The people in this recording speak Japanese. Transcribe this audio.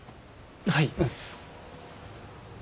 はい。